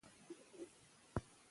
هيڅ عاقل انسان د تيږي سوزيدل نه مني!!